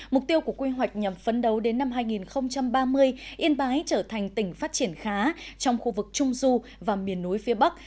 mục tiêu của quy hoạch nhằm phấn đấu đến năm hai nghìn ba mươi yên bái trở thành tỉnh phát triển khá trong khu vực trung du và miền núi phía bắc